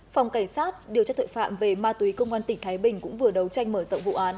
phòng cảnh sát điều tra tội phạm về ma túy công an tỉnh thái bình cũng vừa đấu tranh mở rộng vụ án